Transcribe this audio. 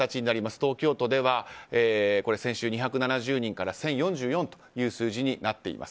東京都では先週２７０人から１０４４という数字になっています。